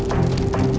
gak mau kali